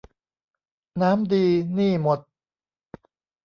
น้ำดี หนี้หมด